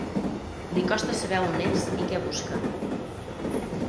Li costa saber on és i què busca.